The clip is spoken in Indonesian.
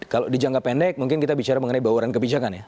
kalau di jangka pendek mungkin kita bicara mengenai bauran kebijakan ya